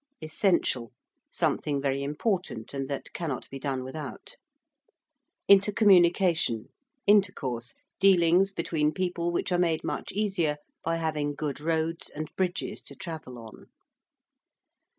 ~essential~: something very important and that cannot be done without. ~intercommunication~: intercourse; dealings between people which are made much easier by having good roads and bridges to travel on.